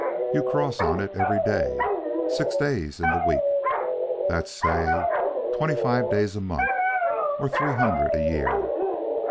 You cross on it every day, six days in the week. That's say, twenty five days a month, or three hundred a year.